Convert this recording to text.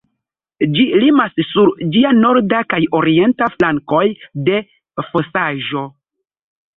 Ĝi limas sur ĝia norda kaj orienta flankoj de fosaĵo.